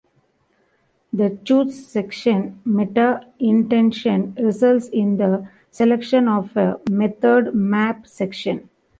The Choose Section meta-intention results in the selection of a method map section.